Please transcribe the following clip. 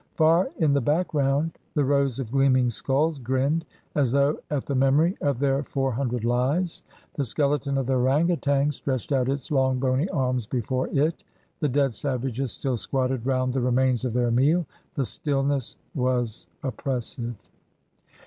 Far in the background the rows of gleaming skulls grinned, as though at the memory of their four hundred lives; the skeleton of the orang outang stretched out its long bony arms before it; the dead savages still squatted round the remains of their meal. The stillness was oppressive.